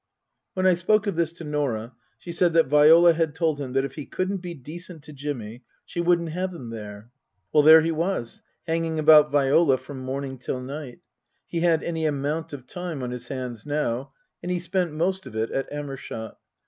When I spoke of this to Nor ah, she said that Viola had told him that if he couldn't be decent to Jimmy she wouldn't have him there. Well, there he was, hanging about Viola from morning till night ; he had any amount of time on his hands now, and .he spent most of it at Amershott.